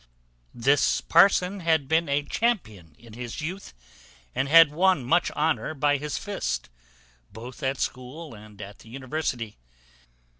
This parson had been a champion in his youth, and had won much honour by his fist, both at school and at the university.